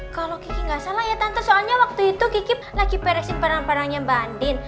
kalau kiki enggak salah ya tante soalnya waktu itu kiki lagi peresin parang parangnya mbak andin